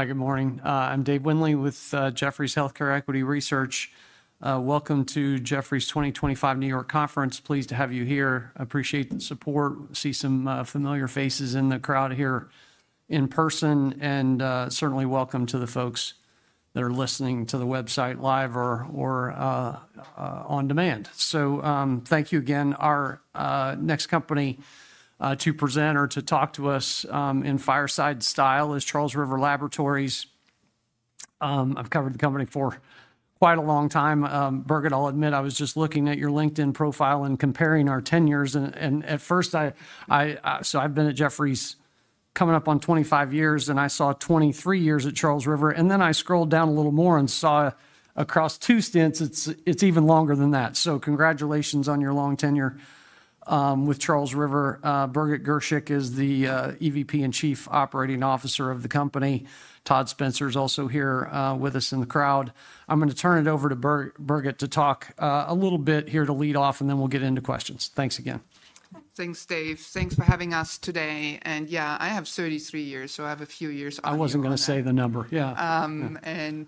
Good morning. I'm Dave Windley with Jefferies Healthcare Equity Research. Welcome to Jefferies' 2025 New York Conference. Pleased to have you here. Appreciate the support. See some familiar faces in the crowd here in person, and certainly welcome to the folks that are listening to the website live or on demand. Thank you again. Our next company to present or to talk to us in fireside style is Charles River Laboratories. I've covered the company for quite a long time. Birgit, I'll admit I was just looking at your LinkedIn profile and comparing our tenures. At first, I—so I've been at Jefferies coming up on 25 years, and I saw 23 years at Charles River. Then I scrolled down a little more and saw across two stints it's even longer than that. Congratulations on your long tenure with Charles River. Birgit Girshick is the EVP and Chief Operating Officer of the company. Todd Spencer is also here with us in the crowd. I'm going to turn it over to Birgit to talk a little bit here to lead off, and then we'll get into questions. Thanks again. Thanks, Dave. Thanks for having us today. Yeah, I have 33 years, so I have a few years on me. I wasn't going to say the number. Yeah. I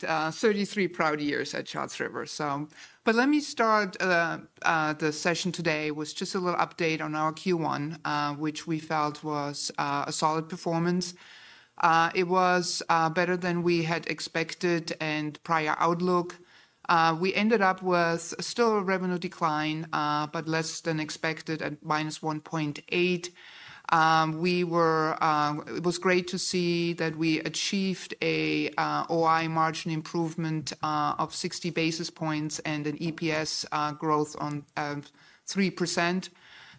have 33 proud years at Charles Rivers. Let me start the session today with just a little update on our Q1, which we felt was a solid performance. It was better than we had expected and prior outlook. We ended up with still a revenue decline, but less than expected at -1.8%. It was great to see that we achieved an OI margin improvement of 60 basis points and an EPS growth of 3%.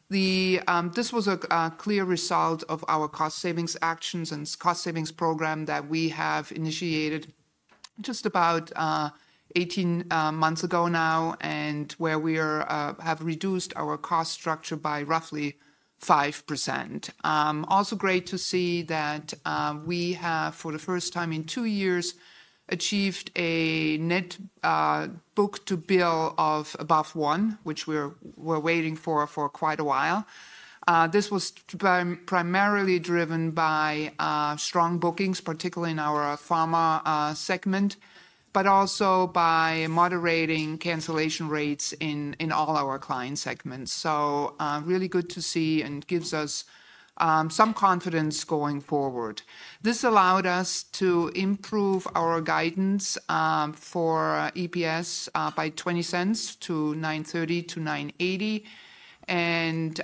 This was a clear result of our cost savings actions and cost savings program that we have initiated just about 18 months ago now, and where we have reduced our cost structure by roughly 5%. Also great to see that we have, for the first time in two years, achieved a net book-to-bill of above one, which we were waiting for for quite a while. This was primarily driven by strong bookings, particularly in our Pharma segment, but also by moderating cancellation rates in all our client segments. So really good to see and gives us some confidence going forward. This allowed us to improve our guidance for EPS by $0.20-$9.30-$9.80, and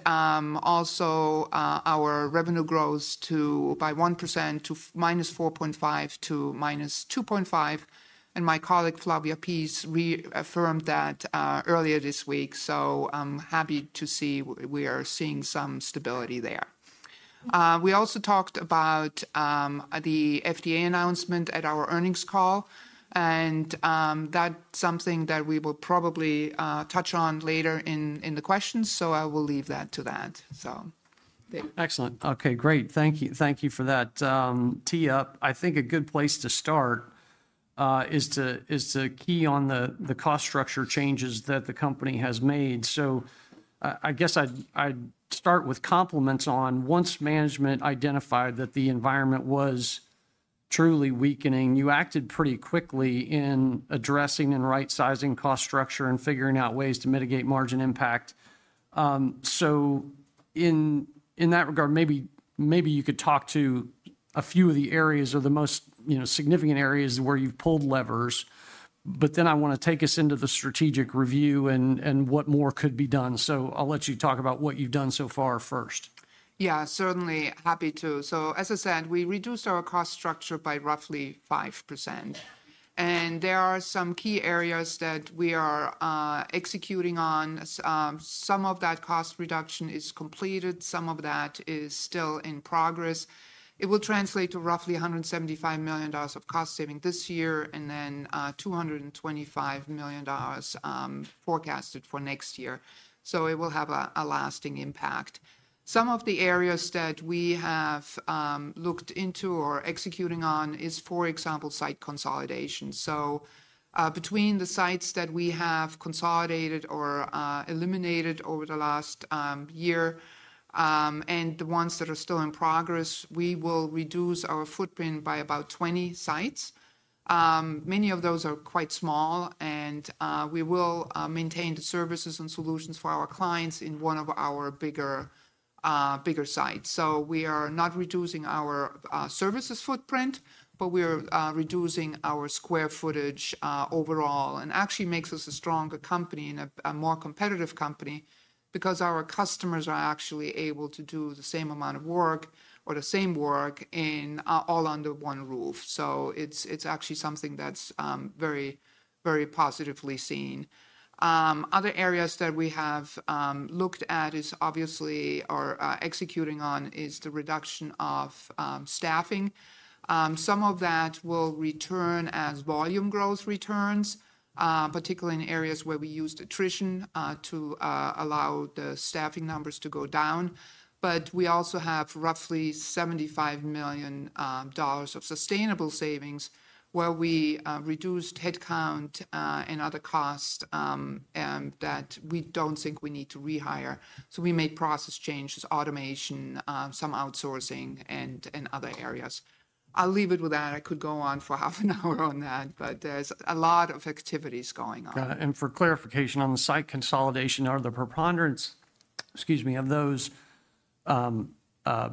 also our revenue growth by 1% to -4.5% to -2.5%. And my colleague Flavia Pease reaffirmed that earlier this week. So I'm happy to see we are seeing some stability there. We also talked about the FDA announcement at our earnings call, and that's something that we will probably touch on later in the questions. So I will leave that to that. Excellent. Okay, great. Thank you. Thank you for that tee-up. I think a good place to start is to key on the cost structure changes that the company has made. I guess I'd start with compliments on once management identified that the environment was truly weakening, you acted pretty quickly in addressing and right-sizing cost structure and figuring out ways to mitigate margin impact. In that regard, maybe you could talk to a few of the areas or the most significant areas where you've pulled levers. Then I want to take us into the strategic review and what more could be done. I'll let you talk about what you've done so far first. Yeah, certainly happy to. As I said, we reduced our cost structure by roughly 5%. There are some key areas that we are executing on. Some of that cost reduction is completed. Some of that is still in progress. It will translate to roughly $175 million of cost saving this year and then $225 million forecasted for next year. It will have a lasting impact. Some of the areas that we have looked into or are executing on is, for example, site consolidation. Between the sites that we have consolidated or eliminated over the last year and the ones that are still in progress, we will reduce our footprint by about 20 sites. Many of those are quite small, and we will maintain the services and solutions for our clients in one of our bigger sites. We are not reducing our services footprint, but we are reducing our square footage overall. It actually makes us a stronger company and a more competitive company because our customers are actually able to do the same amount of work or the same work all under one roof. It is actually something that is very, very positively seen. Other areas that we have looked at is obviously or executing on is the reduction of staffing. Some of that will return as volume growth returns, particularly in areas where we used attrition to allow the staffing numbers to go down. We also have roughly $75 million of sustainable savings where we reduced headcount and other costs that we do not think we need to rehire. We made process changes, automation, some outsourcing, and other areas. I will leave it with that. I could go on for half an hour on that, but there's a lot of activities going on. For clarification on the site consolidation, are the preponderance, excuse me, of those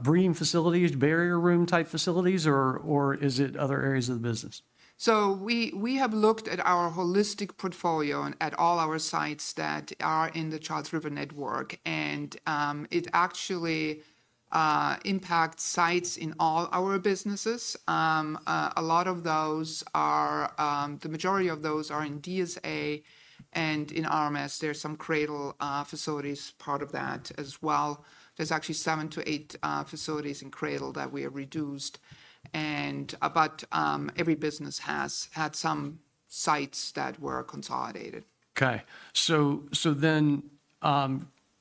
breeding facilities, barrier room type facilities, or is it other areas of the business? We have looked at our holistic portfolio and at all our sites that are in the Charles River network. It actually impacts sites in all our businesses. A lot of those, the majority of those, are in DSA and in RMS. There are some Cradle facilities part of that as well. There are actually seven to eight facilities in Cradle that we have reduced. Every business has had some sites that were consolidated. Okay. So then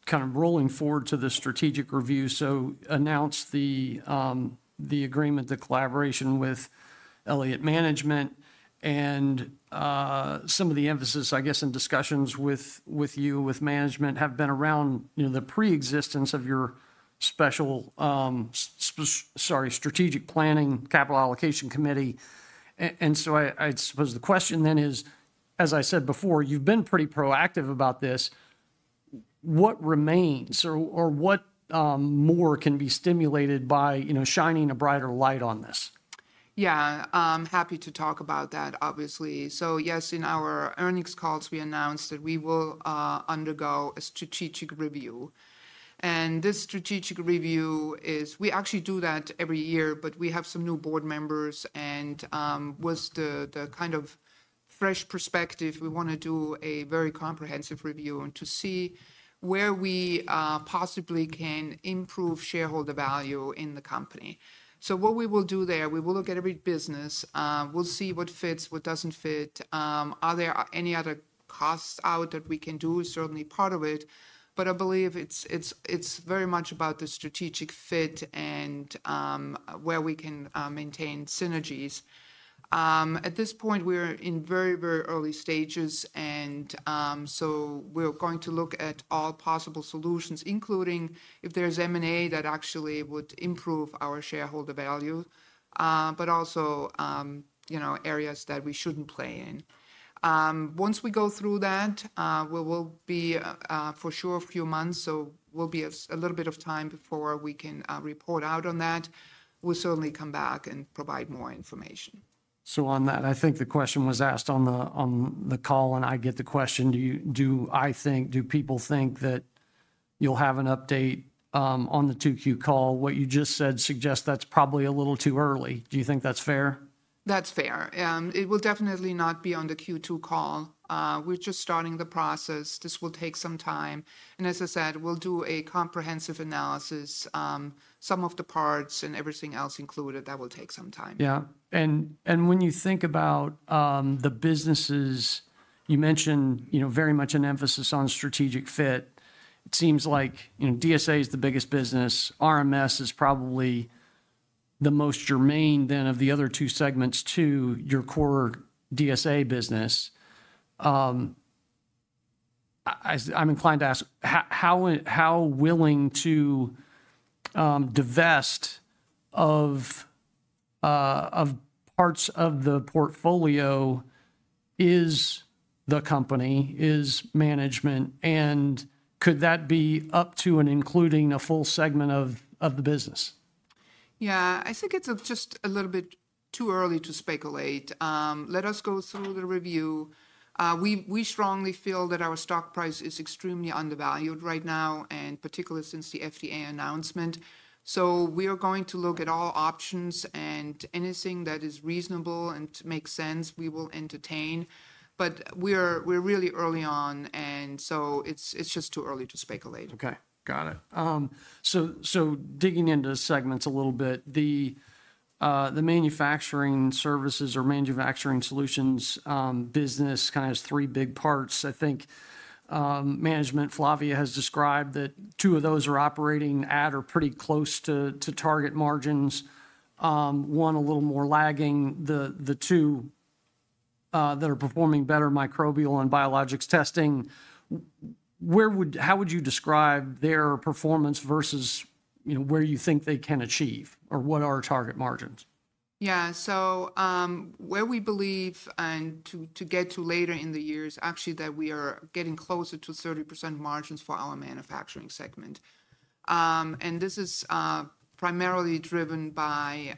kind of rolling forward to the strategic review. So announced the agreement, the collaboration with Elliott Management, and some of the emphasis, I guess, in discussions with you, with management have been around the preexistence of your special, sorry, strategic planning capital allocation committee. And so I suppose the question then is, as I said before, you've been pretty proactive about this. What remains or what more can be stimulated by shining a brighter light on this? Yeah, I'm happy to talk about that, obviously. Yes, in our earnings calls, we announced that we will undergo a strategic review. This strategic review is, we actually do that every year, but we have some new board members and with the kind of fresh perspective, we want to do a very comprehensive review and to see where we possibly can improve shareholder value in the company. What we will do there, we will look at every business. We'll see what fits, what doesn't fit. Are there any other costs out that we can do? Certainly part of it. I believe it's very much about the strategic fit and where we can maintain synergies. At this point, we're in very, very early stages. We're going to look at all possible solutions, including if there's M&A that actually would improve our shareholder value, but also areas that we shouldn't play in. Once we go through that, we will be for sure a few months. We'll be a little bit of time before we can report out on that. We'll certainly come back and provide more information. On that, I think the question was asked on the call and I get the question, do you, I think, do people think that you'll have an update on the 2Q call? What you just said suggests that's probably a little too early. Do you think that's fair? That's fair. It will definitely not be on the Q2 call. We're just starting the process. This will take some time. As I said, we'll do a comprehensive analysis, some of the parts and everything else included. That will take some time. Yeah. When you think about the businesses, you mentioned very much an emphasis on strategic fit. It seems like DSA is the biggest business. RMS is probably the most germane then of the other two segments to your core DSA business. I'm inclined to ask how willing to divest of parts of the portfolio is the company, is management, and could that be up to and including a full segment of the business? Yeah, I think it's just a little bit too early to speculate. Let us go through the review. We strongly feel that our stock price is extremely undervalued right now, and particularly since the FDA announcement. We are going to look at all options and anything that is reasonable and makes sense, we will entertain. We're really early on, and it's just too early to speculate. Okay, got it. Digging into segments a little bit, the Manufacturing Solutions business kind of has three big parts. I think management, Flavia, has described that two of those are operating at or pretty close to target margins, one a little more lagging. The two that are performing better, microbial and Biologics Testing. How would you describe their performance versus where you think they can achieve or what are target margins? Yeah, so where we believe, and to get to later in the years, actually that we are getting closer to 30% margins for our Manufacturing segment. This is primarily driven by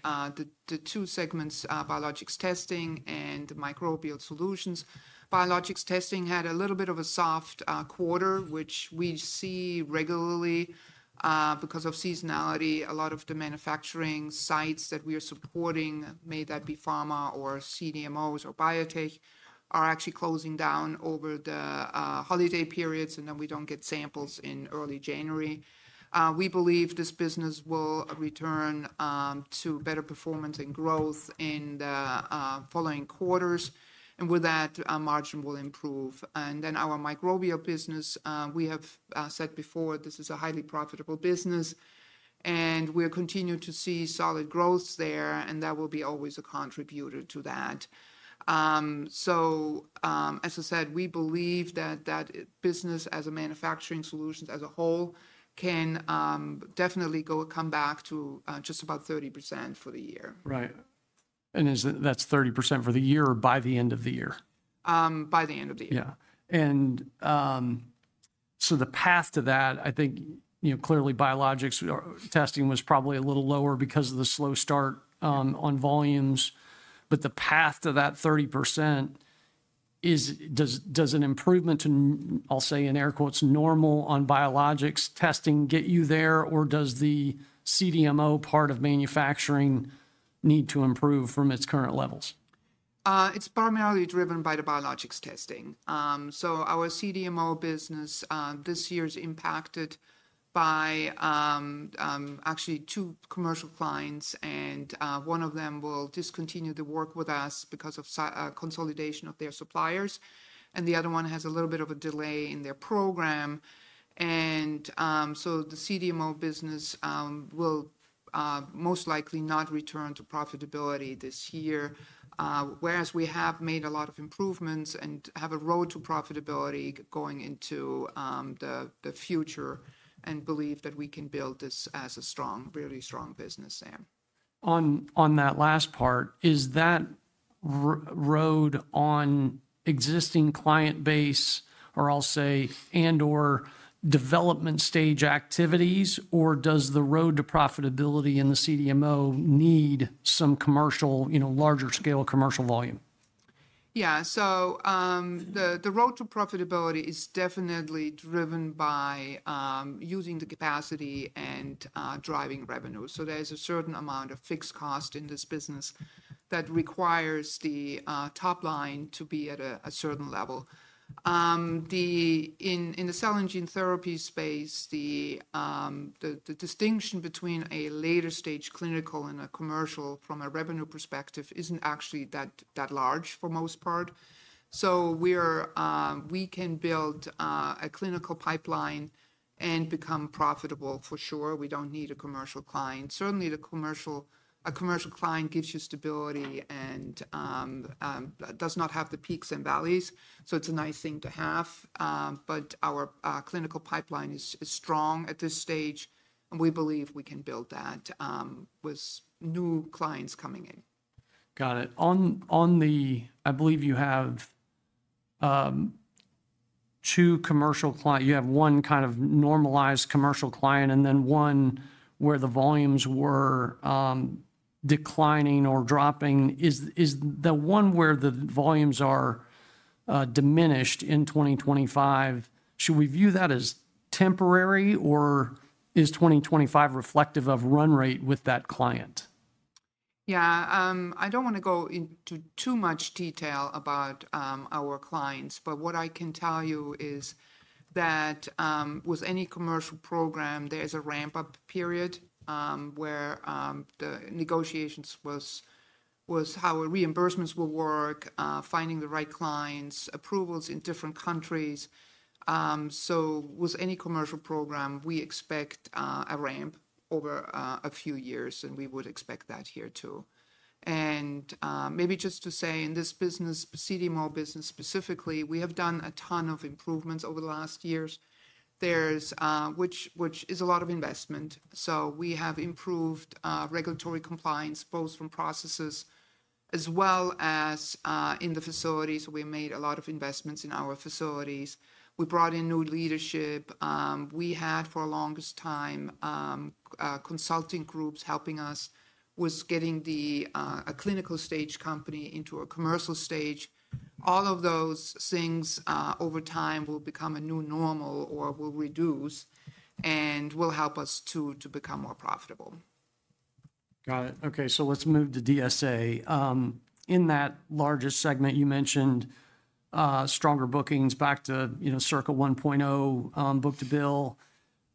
the two segments, Biologics Testing and microbial solutions. Biologics testing had a little bit of a soft quarter, which we see regularly because of seasonality. A lot of the manufacturing sites that we are supporting, may that be Pharma or CDMOs or Biotech, are actually closing down over the holiday periods, and then we do not get samples in early January. We believe this business will return to better performance and growth in the following quarters. With that, margin will improve. Our Microbial business, we have said before, this is a highly profitable business, and we will continue to see solid growth there, and that will be always a contributor to that. As I said, we believe that that business as a Manufacturing solutions as a whole can definitely come back to just about 30% for the year. Right. And that's 30% for the year or by the end of the year? By the end of the year. Yeah. The path to that, I think clearly Biologics Testing was probably a little lower because of the slow start on volumes. The path to that 30%, does an improvement to, I'll say in air quotes, normal on Biologics Testing get you there, or does the CDMO part of Manufacturing need to improve from its current levels? It's primarily driven by the Biologics Testing. Our CDMO business this year is impacted by actually two commercial clients, and one of them will discontinue the work with us because of consolidation of their suppliers. The other one has a little bit of a delay in their program. The CDMO business will most likely not return to profitability this year, whereas we have made a lot of improvements and have a road to profitability going into the future and believe that we can build this as a strong, really strong business there. On that last part, is that road on existing client base or I'll say and/or development stage activities, or does the road to profitability in the CDMO need some commercial, larger scale commercial volume? Yeah, so the road to profitability is definitely driven by using the capacity and driving revenue. There is a certain amount of fixed cost in this business that requires the top line to be at a certain level. In the cell and gene therapy space, the distinction between a later stage clinical and a commercial from a revenue perspective is not actually that large for the most part. We can build a clinical pipeline and become profitable for sure. We do not need a commercial client. Certainly, a commercial client gives you stability and does not have the peaks and valleys. It is a nice thing to have. Our clinical pipeline is strong at this stage. We believe we can build that with new clients coming in. Got it. I believe you have two commercial clients. You have one kind of normalized commercial client and then one where the volumes were declining or dropping. Is the one where the volumes are diminished in 2025, should we view that as temporary or is 2025 reflective of run rate with that client? Yeah, I don't want to go into too much detail about our clients, but what I can tell you is that with any commercial program, there's a ramp-up period where the negotiations was how reimbursements will work, finding the right clients, approvals in different countries. With any commercial program, we expect a ramp over a few years, and we would expect that here too. Maybe just to say in this business, CDMO business specifically, we have done a ton of improvements over the last years, which is a lot of investment. We have improved regulatory compliance both from processes as well as in the facilities. We made a lot of investments in our facilities. We brought in new leadership. We had for the longest time consulting groups helping us with getting a clinical stage company into a commercial stage. All of those things over time will become a new normal or will reduce and will help us to become more profitable. Got it. Okay, so let's move to DSA. In that largest segment, you mentioned stronger bookings back to circle 1.0 book to bill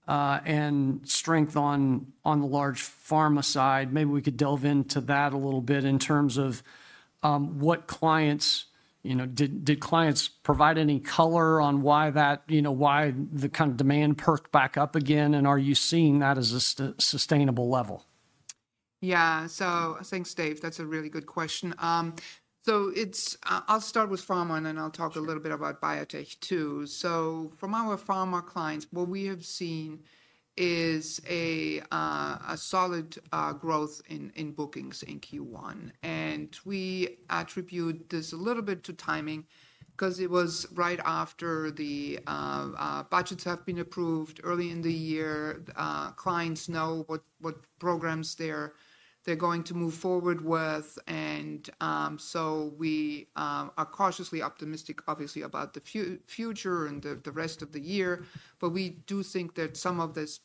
and strength on the large Pharma side. Maybe we could delve into that a little bit in terms of what clients, did clients provide any color on why that, why the kind of demand perked back up again? Are you seeing that as a sustainable level? Yeah, so thanks, Dave. That's a really good question. I'll start with Pharma and then I'll talk a little bit about Biotech too. From our Pharma clients, what we have seen is a solid growth in bookings in Q1. We attribute this a little bit to timing because it was right after the budgets have been approved early in the year. Clients know what programs they're going to move forward with. We are cautiously optimistic, obviously, about the future and the rest of the year. We do think that some of this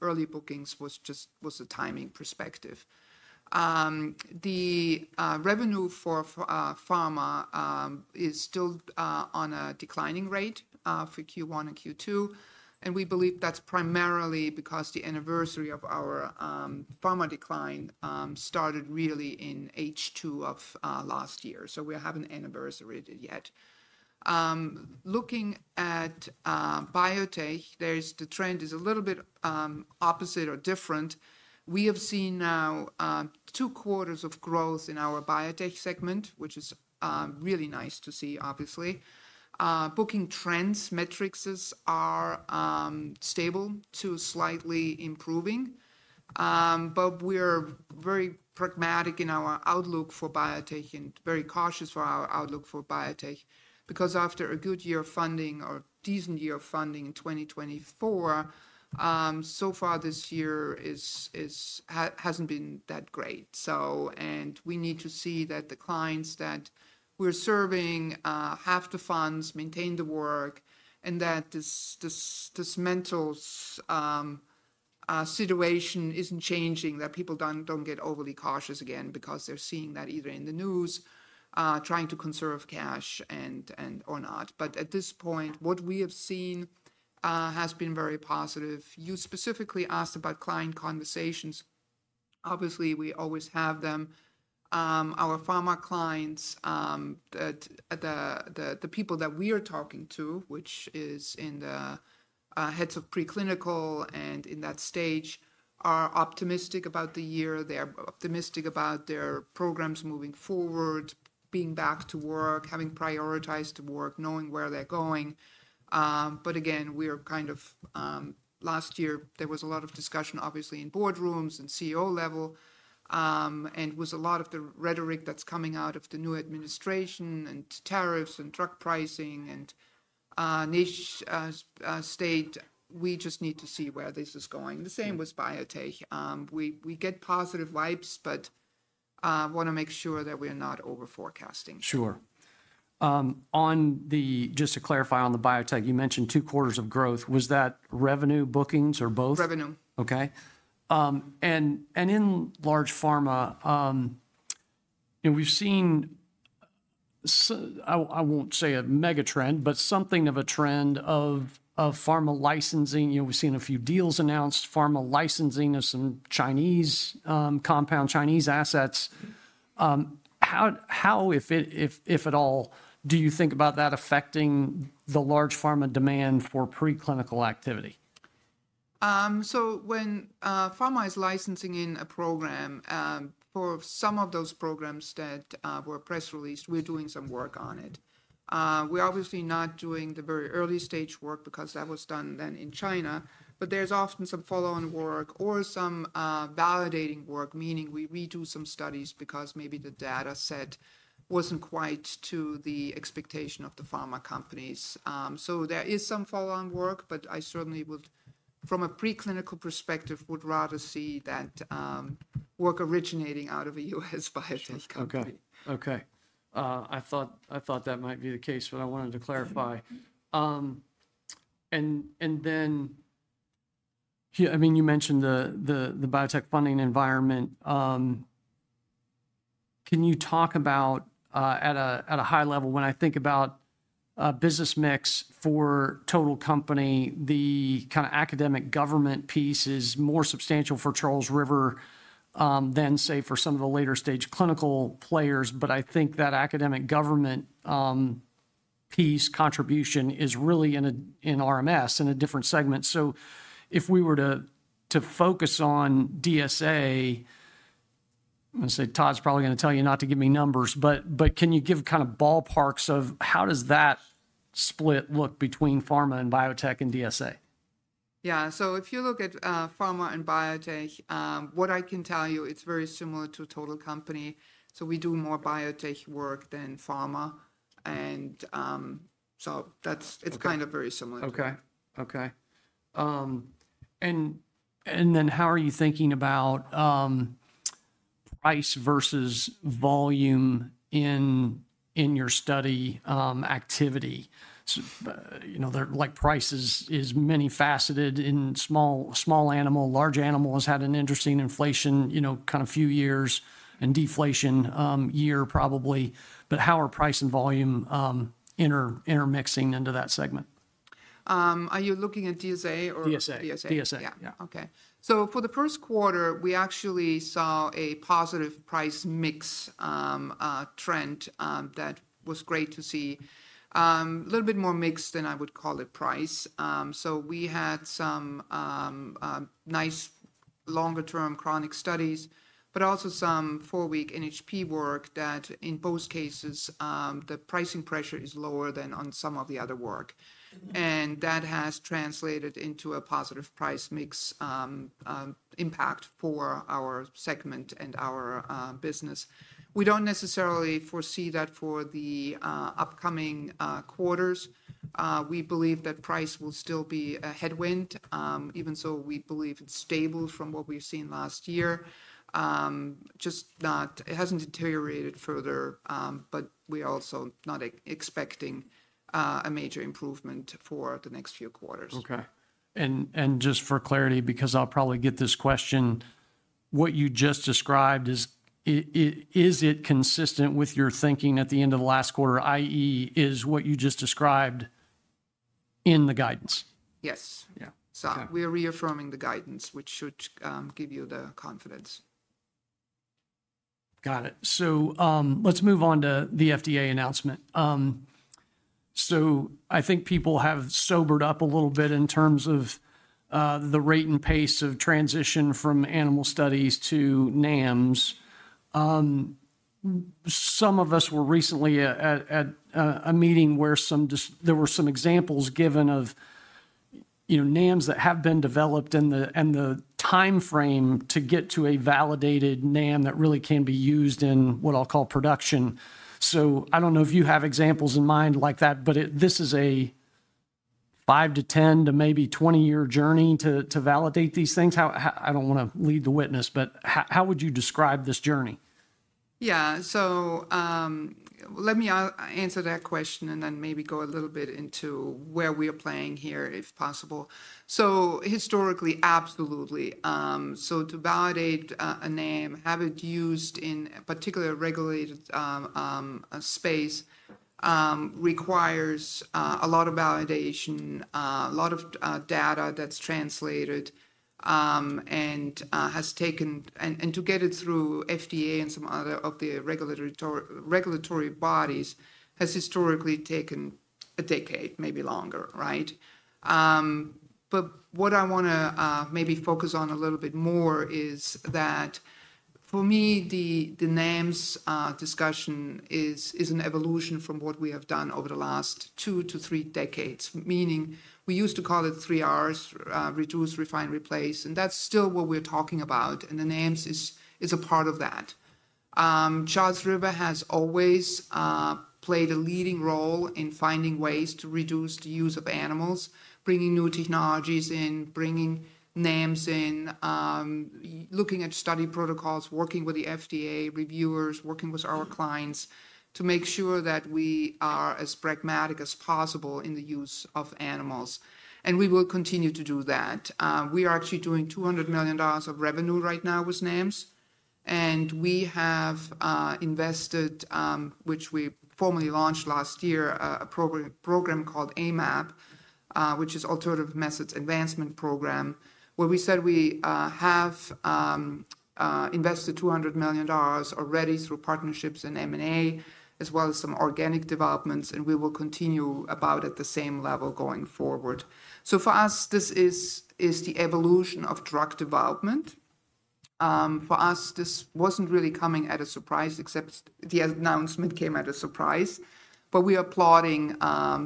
early bookings was just a timing perspective. The revenue for Pharma is still on a declining rate for Q1 and Q2. We believe that's primarily because the anniversary of our Pharma decline started really in H2 of last year. We haven't anniversaried it yet. Looking at Biotech, the trend is a little bit opposite or different. We have seen now two quarters of growth in our Biotech segment, which is really nice to see, obviously. Booking trends metrics are stable to slightly improving. We are very pragmatic in our outlook for Biotech and very cautious for our outlook for Biotech because after a good year of funding or decent year of funding in 2024, so far this year has not been that great. We need to see that the clients that we are serving have to fund, maintain the work, and that this mental situation is not changing, that people do not get overly cautious again because they are seeing that either in the news, trying to conserve cash and or not. At this point, what we have seen has been very positive. You specifically asked about client conversations. Obviously, we always have them. Our Pharma clients, the people that we are talking to, which is in the heads of preclinical and in that stage, are optimistic about the year. They are optimistic about their programs moving forward, being back to work, having prioritized to work, knowing where they are going. Last year, there was a lot of discussion, obviously, in boardrooms and CEO level. With a lot of the rhetoric that is coming out of the new administration and tariffs and drug pricing and niche state, we just need to see where this is going. The same with Biotech. We get positive vibes, but I want to make sure that we are not over forecasting. Sure. Just to clarify on the Biotech, you mentioned two quarters of growth. Was that revenue, bookings, or both? Revenue. Okay. In large Pharma, we've seen, I won't say a mega trend, but something of a trend of Pharma licensing. We've seen a few deals announced, Pharma licensing of some Chinese compound, Chinese assets. How, if at all, do you think about that affecting the large Pharma demand for preclinical activity? When Pharma is licensing in a program, for some of those programs that were press released, we're doing some work on it. We're obviously not doing the very early stage work because that was done then in China. But there's often some follow-on work or some validating work, meaning we redo some studies because maybe the data set wasn't quite to the expectation of the Pharma companies. There is some follow-on work, but I certainly would, from a preclinical perspective, would rather see that work originating out of a U.S. Biotech company. Okay. Okay. I thought that might be the case, but I wanted to clarify. I mean, you mentioned the Biotech funding environment. Can you talk about, at a high level, when I think about business mix for Total company, the kind of academic government piece is more substantial for Charles River than, say, for some of the later-stage clinical players. I think that academic government piece contribution is really in RMS, in a different segment. If we were to focus on DSA, I'm going to say Todd's probably going to tell you not to give me numbers, but can you give kind of ballparks of how does that split look between Pharma and Biotech and DSA? Yeah. If you look at Pharma and Biotech, what I can tell you, it's very similar to Total company. We do more Biotech work than Pharma, and it's kind of very similar. Okay. Okay. How are you thinking about price versus volume in your study activity? Price is many faceted in small animal. Large animal has had an interesting inflation kind of few years and deflation year probably. How are price and volume intermixing into that segment? Are you looking at DSA or? DSA. DSA. DSA. Yeah. Okay. For the first quarter, we actually saw a positive price mix trend that was great to see. A little bit more mixed than I would call it price. We had some nice longer-term chronic studies, but also some four-week NHP work that in both cases, the pricing pressure is lower than on some of the other work. That has translated into a positive price mix impact for our segment and our business. We do not necessarily foresee that for the upcoming quarters. We believe that price will still be a headwind, even though we believe it is stable from what we have seen last year. Just not, it has not deteriorated further, but we are also not expecting a major improvement for the next few quarters. Okay. And just for clarity, because I'll probably get this question, what you just described, is it consistent with your thinking at the end of the last quarter, i.e., is what you just described in the guidance? Yes. Yeah. We're reaffirming the guidance, which should give you the confidence. Got it. Let's move on to the FDA announcement. I think people have sobered up a little bit in terms of the rate and pace of transition from animal studies to NAMS. Some of us were recently at a meeting where there were some examples given of NAMS that have been developed and the timeframe to get to a validated NAM that really can be used in what I'll call production. I don't know if you have examples in mind like that, but this is a five to 10 to maybe 20-year journey to validate these things. I don't want to lead the witness, but how would you describe this journey? Yeah. Let me answer that question and then maybe go a little bit into where we are playing here if possible. Historically, absolutely. To validate a NAM, have it used in a particular regulated space requires a lot of validation, a lot of data that's translated and has taken, and to get it through FDA and some other of the regulatory bodies has historically taken a decade, maybe longer, right? What I want to maybe focus on a little bit more is that for me, the NAMS discussion is an evolution from what we have done over the last two to three decades, meaning we used to call it three Rs, reduce, refine, replace. That's still what we're talking about. The NAMS is a part of that. Charles River has always played a leading role in finding ways to reduce the use of animals, bringing new technologies in, bringing NAMS in, looking at study protocols, working with the FDA reviewers, working with our clients to make sure that we are as pragmatic as possible in the use of animals. We will continue to do that. We are actually doing $200 million of revenue right now with NAMS. We have invested, which we formally launched last year, a program called AMAP, which is Alternative Methods Advancement Program, where we said we have invested $200 million already through partnerships in M&A as well as some organic developments. We will continue about at the same level going forward. For us, this is the evolution of drug development. For us, this was not really coming at a surprise, except the announcement came at a surprise. We are applauding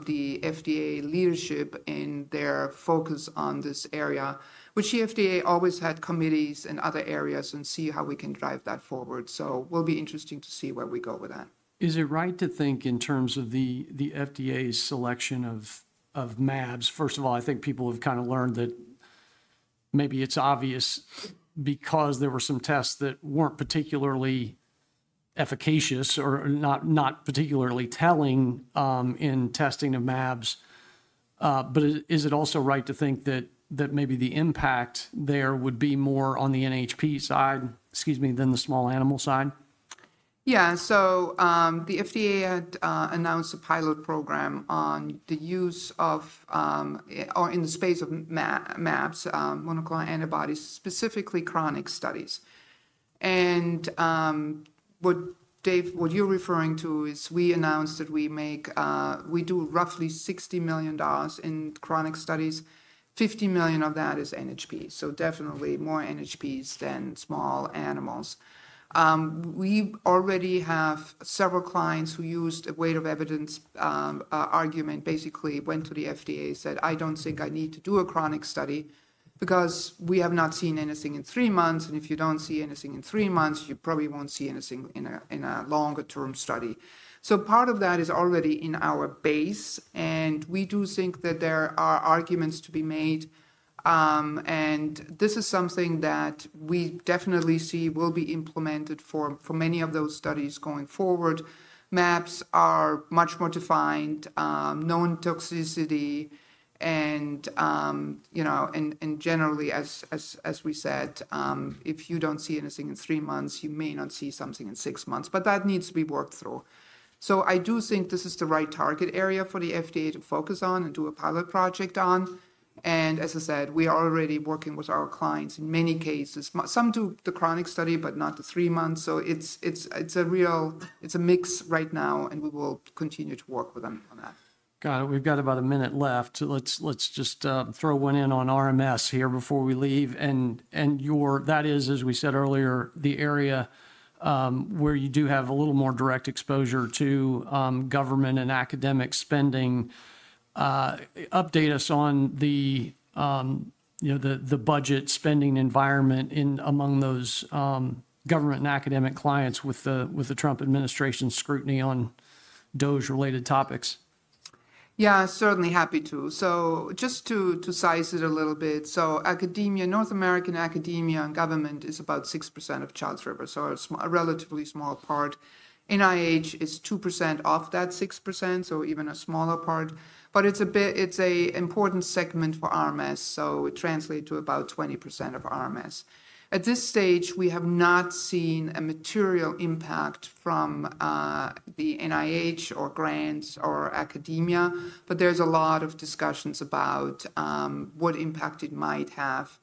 the FDA leadership in their focus on this area, which the FDA always had committees and other areas and see how we can drive that forward. It will be interesting to see where we go with that. Is it right to think in terms of the FDA's selection of MABs? First of all, I think people have kind of learned that maybe it's obvious because there were some tests that weren't particularly efficacious or not particularly telling in testing of MABs. Is it also right to think that maybe the impact there would be more on the NHP side, excuse me, than the small animal side? Yeah. The FDA had announced a pilot program on the use of, or in the space of MABs, monoclonal antibodies, specifically chronic studies. What you're referring to is we announced that we do roughly $60 million in chronic studies. $50 million of that is NHP. Definitely more NHPs than small animals. We already have several clients who used a weight of evidence argument, basically went to the FDA, said, "I don't think I need to do a chronic study because we have not seen anything in three months. If you don't see anything in three months, you probably won't see anything in a longer-term study." Part of that is already in our base. We do think that there are arguments to be made. This is something that we definitely see will be implemented for many of those studies going forward. MABs are much more defined, known toxicity. Generally, as we said, if you do not see anything in three months, you may not see something in six months. That needs to be worked through. I do think this is the right target area for the FDA to focus on and do a pilot project on. As I said, we are already working with our clients in many cases. Some do the chronic study, but not the three-month. It is a mix right now, and we will continue to work with them on that. Got it. We've got about a minute left. Let's just throw one in on RMS here before we leave. That is, as we said earlier, the area where you do have a little more direct exposure to government and academic spending. Update us on the budget spending environment among those government and academic clients with the Trump administration scrutiny on DOJ-related topics. Yeah, certainly happy to. Just to size it a little bit, North American academia and government is about 6% of Charles River, so a relatively small part. NIH is 2% of that 6%, so even a smaller part. It's an important segment for RMS, so it translates to about 20% of RMS. At this stage, we have not seen a material impact from the NIH or grants or academia, but there's a lot of discussions about what impact it might have.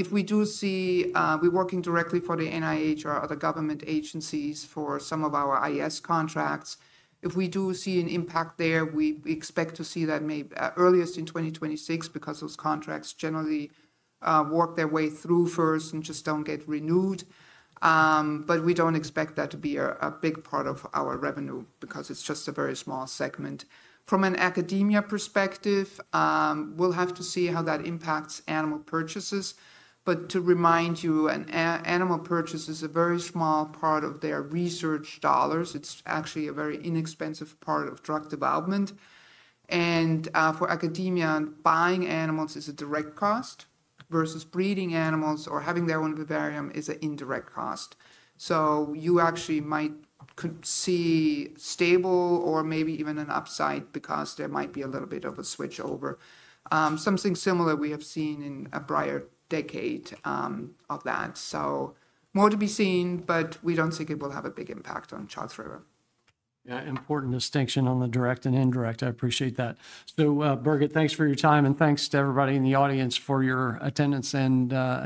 If we do see we're working directly for the NIH or other government agencies for some of our IS contracts. If we do see an impact there, we expect to see that maybe earliest in 2026 because those contracts generally work their way through first and just don't get renewed. We don't expect that to be a big part of our revenue because it's just a very small segment. From an academia perspective, we'll have to see how that impacts animal purchases. To remind you, animal purchases are a very small part of their research dollars. It's actually a very inexpensive part of drug development. For academia, buying animals is a direct cost versus breeding animals or having their own vivarium is an indirect cost. You actually might see stable or maybe even an upside because there might be a little bit of a switch over. Something similar we have seen in a prior decade of that. More to be seen, but we don't think it will have a big impact on Charles River. Yeah, important distinction on the direct and indirect. I appreciate that. Birgit, thanks for your time. Thanks to everybody in the audience for your attendance.